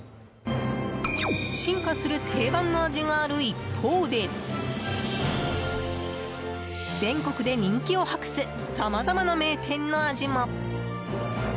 進化する定番の味がある一方で全国で人気を博すさまざまな名店の味も。